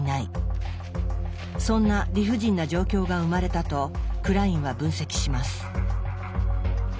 そんな理不尽な状況が生まれたとクラインは分析します。